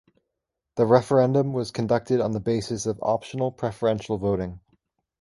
The referendum was conducted on the basis of optional preferential voting.